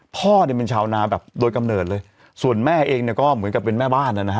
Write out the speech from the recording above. พ่อเนี่ยเป็นชาวนาแบบโดยกำเนิดเลยส่วนแม่เองเนี่ยก็เหมือนกับเป็นแม่บ้านนะฮะ